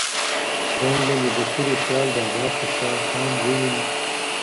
شرنګ به مي د توري خپل بابا خوشحال خان وویني